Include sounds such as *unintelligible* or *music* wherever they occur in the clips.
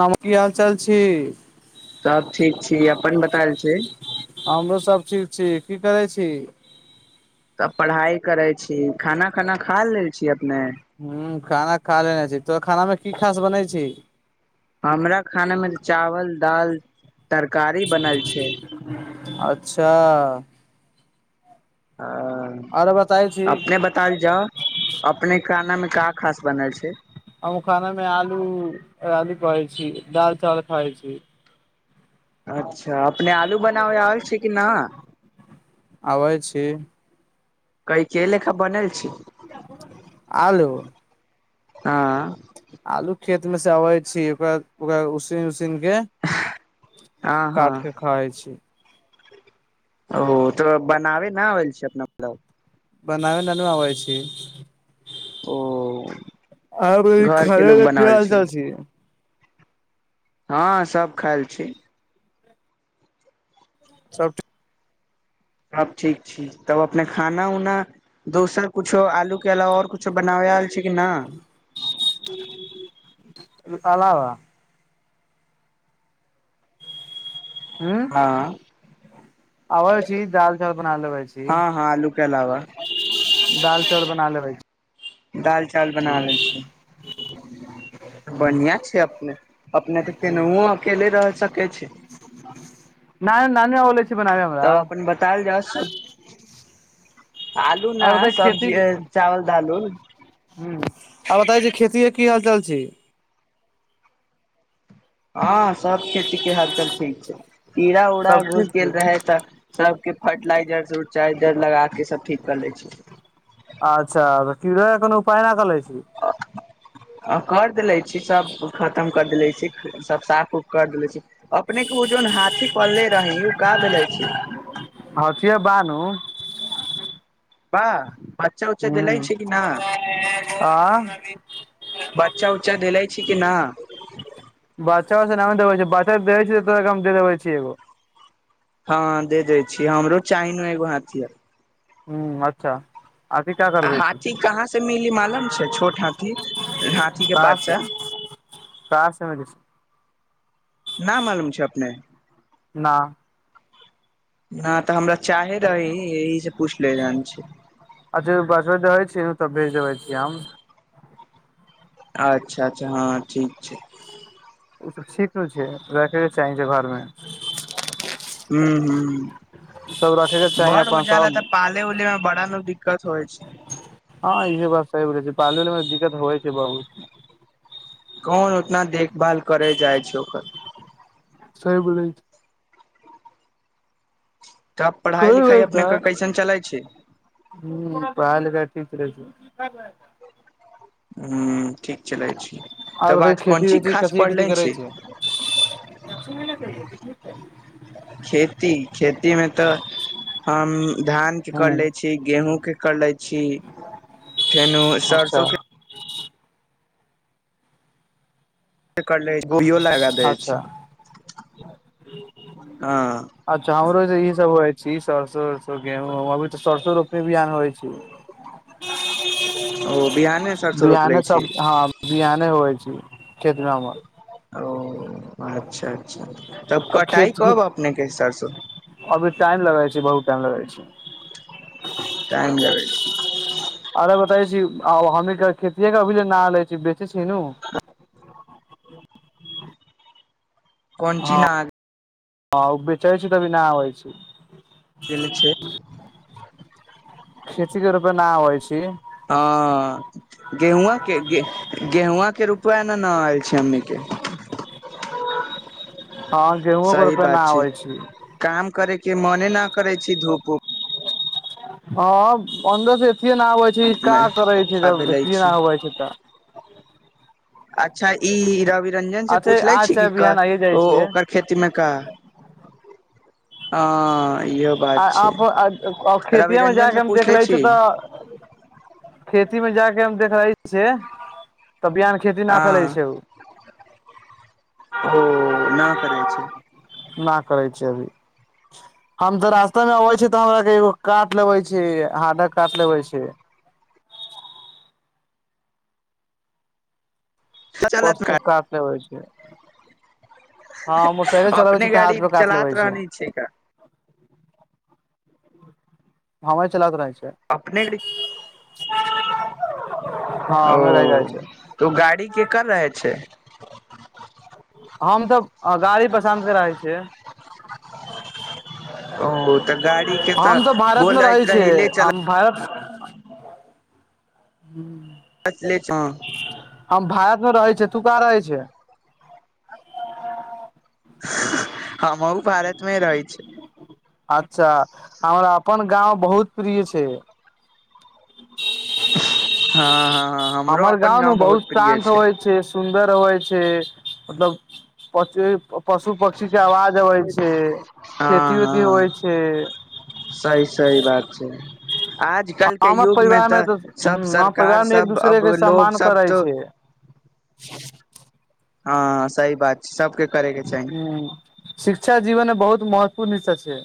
नम कि हाल चाल छी। सब ठीक छी अपन बतायल छै। हमरो सब ठीक छी की करै छी? त पढ़ाइ करै छी खाना खाना खा लेल छी अपने। हूं खाना खा लेने छी तों खाना मे की खास बनै छी। हमरा खानामे चावल, दाल, तरकारी बनल छै। अच्छा हं आरो बताइ छी। ताइ जा अपने खाना में का खास बनल छै। हमू खाना मे आलू अरे आलू कहै छी दाल, चावल खाइ छी। अच्छा अपने आलू बनाबे आबइ छै कि ना। आबै छी। कैचे लेखा बनल छै? आलू आँ आलू खेत मे से अबै छी बस ओकरा उसिन उसिनके हँ हँ काट के खाइ छी। ओ तऽ बनाबे न होल छै अपना। *unintelligible* बनाबे ननु आबै छै। ओ घर के लोग *unintelligible* की हाल बनावल चाल छै? हाॅं सब खैल छी। सब ठीक सब ठीक छी तब अपने खाना उना दोसर कुछो आलू के अलावा आओर कुछो बनाबे आयल छी कि ना? अलावा ह हाॅं। आबै छी दाल चावल बनालेबै छी। हँ हँ आलू के अलावा दाल चावल बनालेबै छी। दाल चावल बना लै छियै। *inaudible* बढ़िया छै अपने अपने तऽ केनाहुओ अकेले रह सकै छी। नहि नानी आउले छै। तब अपन बतायल जाउ सब आलू आ ना बताइ सब्जी ए चावल, दाल उल। हूं आर बताइ जे खेती के की हाल चाल छै। हँ सब खेती के हालचाल ठीक छै कीड़ा उड़ा सब घुसि ठीक छै गेल रहै तऽ सभके फर्टिलाइजर *unintelligible* लगाके सभ ठीक कर लै छी। अच्छा तऽ कीडो के कोनो उपाय ना कलै छी। कर देले छी सभ खतम कर देले छी सभ साफ उफ कर देले छी अपने के ऊ जोन हाथी पलले रहीं उ का भेले छै? हथिया बानू बा बच्चा उच्चा हूं देले छै कि न *unintelligible* आ चढेलै छी कि ना? बच्चा बच्चामे ना देबैय बच्चा देै छिय तो तोरा के हम दे देबे छियौ हँ दे दै छी हमरो चाहीनु एगो हाथीया। हूं अच्छा अथी का आ करबै छी हाथी कहाँ से मिली मालूम छै छोट हाथी हाथीके कहाँ से बच्चा *unintelligible* ना मालूम छै अपने? ना ना तऽ हमरा चाहे रही ऐहि से पूछ ले जान छी। अच्छा बचबा देैबै छी नु तब भेज देबे छी हम। अच्छा अच्छा हँ ठीक छै। ऊसभ ठीक होय छै राखयके चाही छै घरमे। हूं हूं रखे के चाही बड हो अपन जाला सब तऽ पाले उले मे बड़ा नु दिक्कत होइ छै। हँ इहे बात सही रहै छै पाले उलेमे दिक्कत होइ छै बहुत। कौन उतना देखभाल करै जाइ छै ओकर। सहि बोलै छै। तब पढ़ाइ कोइ लिखाइ अपनेके कइसन चलै छै। हूं पढाइ लिखाइ ठीक चलै छै। हूं ठीक चलै छै। तब आबरै आज कोन खेती चीज वेती खास कथी कथी पढ़ले करै छी छै? खेती खेती मे तऽ हम धान के कर हूँ ले छी। गेेहुँ के कर लै छी फेनु अच्छा सरसों के कर लै छी गोपीयो लगा दै छी, अच्छा हँ। अच्छा हमरो से इ सब होइ छै सरसो उरसो गेहुँ अभी त सरसो रोप ओ बिहाने *unintelligible* सरसो रोपले बियाने छी सब हॅं। बियाने होइ छै खेतमे हमर। ओ अच्छा अच्छा तब आ कटाइ खेत कब अपने के सरसो? अभी टाइम लगै छै बहुत टाइम लगै छै। टाइम लगै छै। अरे बताय छी हमी के खेतीेये के अभी ना लै छी बेचे छी नु। कोनची ना हँ ओ बेचै छी तभी ना आबै छै। बिल छै। खेती के रूपे ना अबइ छी। ओ गेहुँआ केे गेहुँआ के रूपया न न आयल छै हमनी के। हँ गेहूँओ के सही रूपय ना बात आबै छै। काम करे के मने न करे छी धूप उप। हम *unintelligible* ना आबै छै ई का मे करै छी आ जब भेले एतए छी नहि होबै छै तऽ अच्छा ई रवी। रंजन से अच्छा पूछलै आज छी, चाहे कि बिहान आइये जाइ ओ छै ओकर खेतीमेकाऽ। आ इहो। बात आय छै आबो आय *unintelligible* रवि खेतिए मे रंजन से जाके हम देख पूछले लेछ छी तऽ। खेती में जाके हम देख रहे से त बियान। हाँ हो न करय छै। ना करै छै अभी। हम रास्ता में अवे छी त हमरा के एगो काट लेबे छी हाडक काट लेबे छी। कष् चलत काट लेबे छी? हाँ मोटरसाइकिले चलाबै छी तऽ हाथ में काथ लेबे छी। ठीक हे। हवा चलत रहै छै। अपने हँ ओ। हमरो गाड़ी रहै छै ओ गाड़ी केकर अछि? हम तऽ गाड़ी पसन्द कराय छियै। ओ तऽ गाड़ी के तऽ हम सब भारत मे रहै बोलैत छियै, रही ले चल हम भारत। *unintelligible* पचले छह। हम भारत में रहै छे तु काहाँ रहै छे। हमहु भारतमे रहै छि। अच्छा हमरा अपन गाँंव बहुत प्रिय छै। *unintelligible* हाँ-हाँ। अमर गाँव न बहुत सांत होइ छै। सुन्दर होइ छै, मतलब पसी- पशु, पक्षी के आवाज। होइ छै, खेती उती होइ छै। सहि - सहि बात छै। आजकल के हमर युग परिवार मे तऽ दु - सब हु, हम सरकार परिवार मे एक सब दूसरे अब के लोग सम्मान सब करै तो छै। *unintelligible* हाँ, सही बात छै सबके करे के चाही। शिक्षा जीवन में बहुत महत्वपूर्ण हिस्सा छै।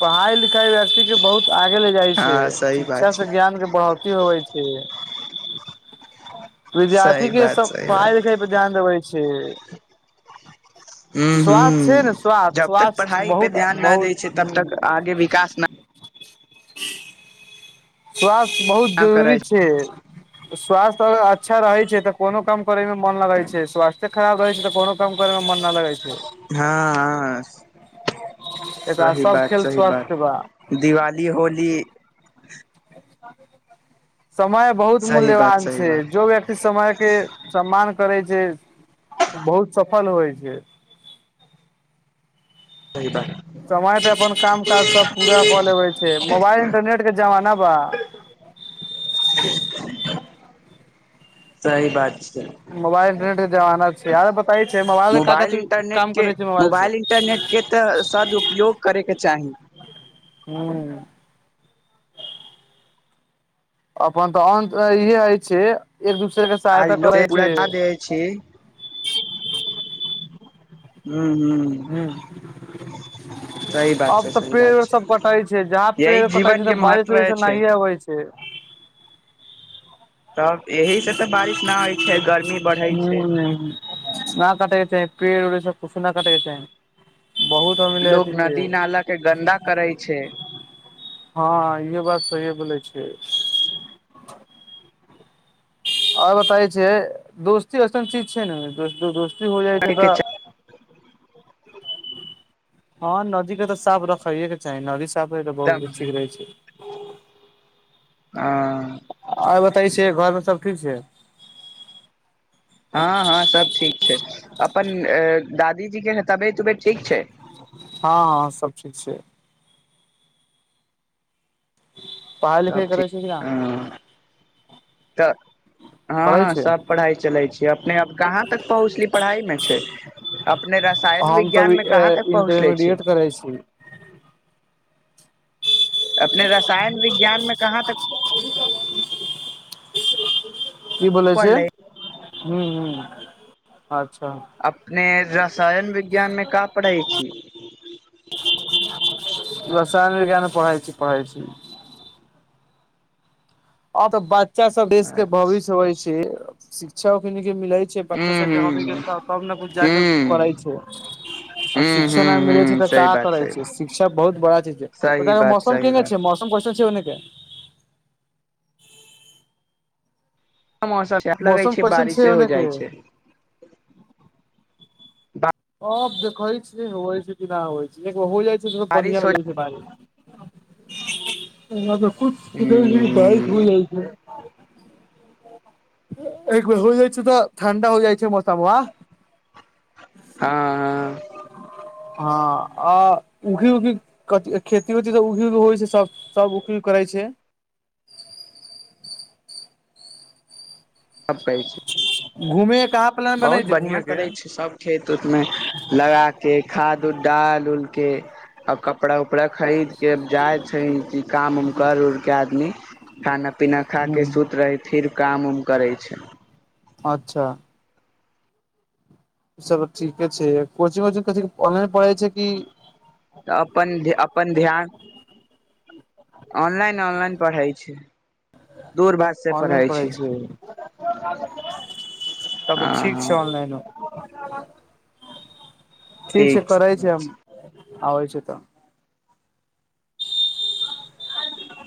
पढ़ाई लिखाई व्यक्ति के बहुत आगे ले जाइ छै, हँ सही शिक्षा बात से छै ज्ञान के बहोत। *unintelligible* होछै विद्यार्थी सही के बात सब सही पढ़ाइ बात लिखाई। ध्यान देबै छै। हु - हु स्वास्थ्य छै ने स्वास्थ्य जबतक स्वास्थ्य पढ़ाई पे बहुत ध्यान न दै छै तब तक बहुत आगे विकास न। स्वास्थ बहुत न जरूरी करै छै। स्वास्थ्य अगर अच्छा रहै छै तऽ कोनो काम करैय मे मोन लगैत छै, स्वास्थे। खराब रहै छै तऽ कोनो काम करै मे मन न लगै छै। हाँ - हाँ एकरा सही सब बात, खेल सही बात। स्वस्थ बा दिवाली, होली। समय बहुत सही बात मूल्यवान सही छै, बात जो व्यक्। समय के सम्मान करै छै, बहुत सफल होइ छै। सही बात समय पे अपन काम काज सब पूरा कऽ लेबे छै, मोबाइल इंटरनेट के जमाना बा। सही बात छैय। मोबाइल इंटरनेटके जमाना छैय, आरे बताय छै मोबाइल के क क काम करय छ छैय मोबाइल से। इन्टरनेटके तऽ सदुपयोग करैके चाही। हूँ। अपन तहन तऽ इहे होइ छैय एक दूसरे के सहायता करै छैय। छी। हूँ- हूँ-हूँ। हूँ। सही बात अब छै तऽ सही पेड़ बात उड़ सब छै कटाय छैय, जहाँ यही पेड़ कटाय छैय जीवन तऽ के बारिश महत्व उरीश छै नहिये होय छैय। तब एहि से तऽ बारिश न होइ छैय, गर्मी बढ़ै छैय। न काटैते। पेड़ उर उ सब किछु नह काटैते। लोग नदी नालाके गन्दा करै छैय। हँ इहो बात सहिए बोलै छियै। आओर बताय छैैय दोस्ती ऐसन चीज छैय ने दोस्ती हो जाइ छैय तऽ एकदम हँ नदीके तऽ साफ रखैयेके चाही, नदी साफ रहे तऽ बहुत ठीक रहै छैय। आ। आर बताय छैय, घरमे सब ठीक छैय। हँ- हँ सब ठीक छै। अपन अ दादीजीके तबियत उबियत ठीक छैय। हँ- हँ सब ठीक छैय। पढ़ाइ सब लिखाइ ठीक करै छी की न। हँ तऽ करै हँ छै सब पढ़ाइ चलै छैय, अपने अब कहाँ तक पहुँचली पढ़ाईमे छैय अपने रस सायन हम तऽ अभी विज्ञानमे कहाँ तक पहुँचले छी। इंटरमीडिएट करै छी। अपने रसायन विज्ञानमें कहाँ तक की बोलय छैय पढ़ले हूँ- हूँ, अच्छा। अपने रसायन विज्ञानमें क पढ़ै छी। रसायन विज्ञान पढ़इ छी, पढ़इ छी। हँ तऽ बच्चा सब देशके भविष्य होइ छैय, शिक्षा *unintelligible* मिले छैय बच्चा सबके हमी के हूँ त तब ने कुछ जाके हूँ करै छैय। आ हूँ शिक्षा हूँ नय मिलै छैय हूँ तऽ सही का बात करै सही छैय, बात शिक्षा बहुत बड़ा चीज सही पता ओ बात मौसम सही केने छैय, बात मौसम कैसन छैय ओने कै। मौसम केहेन लगै मौसम छैय कैसन छै बारिशे ओने हो के जाइ छैय। अब देखै छियै होबइ छैय कि न होबइ छैय। एक बेर हो जाइ छैय त बढ़िआँ हो जाइ छैय बारिश। हूँ *unintelligible* एक बेर होइ जाइ छैय तऽ ठंडा होइ जाइ छैय मौशामुआ। हँ। हँ आ उखी-ऊखी क खेती होती तऽ उखे होइ छैय सब सब उखे करै छैय। सब कहै छी। घुमे कहाँ प्लान बनै बहुत छै बढ़िआँ घूमे के करै छैय सभ। खेत उतमे लगाके खाद उद डाल उलके आ कपड़ा उपड़ा खरीदके जाइ छैय कि काम उम कर उरके आदमी खाना पीना खाके हूँ सुति रहे फिर काम उम करै छैय। अच्छा। सब ठीके छै कोचिंग -ओचिंग कथि ऑनलाइन पढ़ै छै कि तऽ अपन -अपन ध्यान ऑनलाइन -ऑनलाइन पढ़ै छै। दूर भाष से ऑनलाइन पढ़ै छै। तब हँ ठीक हँ छै अनलाइन मे। ठीक छै करै छै हम आबै छै तऽ।